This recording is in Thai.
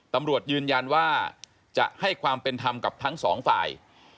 ตำรวจยืนยันว่าจะให้ความเป็นธรรมกับทั้งสองฝ่าย